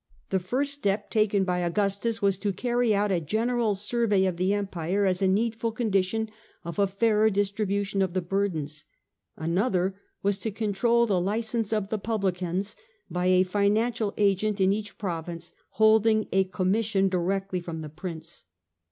The first step taken by Augustus was to carry out a general survey of the empire as a needful condition of a fairer distribu tion of the burdens ; another was to control the licence of the publicans by a financial agent in each province, holding a commission directly from the prince.